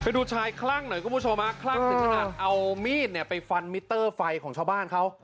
เพื่อนดูชายคร่างหน่อยครับผู้ชมคร่างสิทธิภาษาเอามีดเนี่ยไปรับไปของชาวบ้านเขา